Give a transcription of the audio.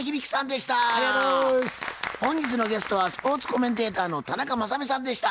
本日のゲストはスポーツコメンテーターの田中雅美さんでした。